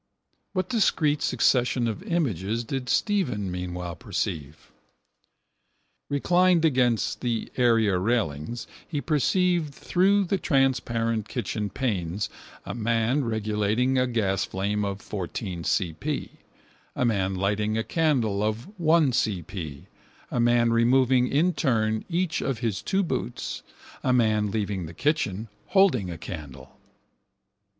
What discrete succession of images did Stephen meanwhile perceive? Reclined against the area railings he perceived through the transparent kitchen panes a man regulating a gasflame of 14 CP, a man lighting a candle of 1 CP, a man removing in turn each of his two boots, a man leaving the kitchen holding a candle.